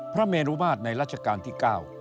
พระเมรุมาตรในรัชกาลที่๙